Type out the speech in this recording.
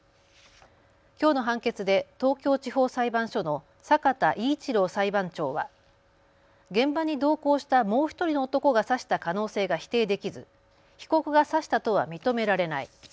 きょうの判決で東京地方裁判所の坂田威一郎裁判長は現場に同行したもう１人の男が刺した可能性が否定できず被告が刺したとは認められない。